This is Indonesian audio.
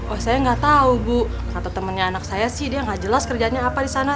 wah saya gak tau bu kata temennya anak saya sih dia gak jelas kerjaannya apa disana